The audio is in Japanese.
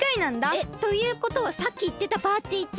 えっということはさっきいってたパーティーって。